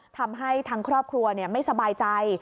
ทำให้ทางครอบครัวไม่สบายใจ